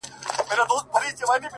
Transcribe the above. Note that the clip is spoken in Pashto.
وبېرېدم!